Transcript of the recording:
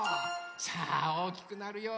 さあおおきくなるよ。